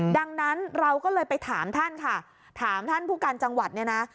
ดังนั้นเราก็เลยไปถามท่านค่ะถามท่านผู้การจังหวัดเนี่ยนะ